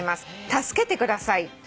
助けてください」